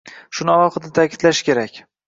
Shuni alohida ta’kidlash kerak